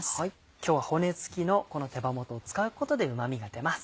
今日は骨付きのこの手羽元を使うことでうま味が出ます。